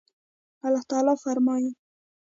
الله تعالى فرمايي